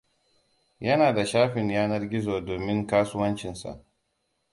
Yana da shafin yanar gizo domin kasuwancinsa.